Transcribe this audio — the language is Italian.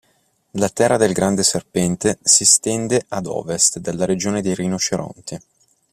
La terra del Grande Serpente si stende ad ovest della regione dei rinoceronti.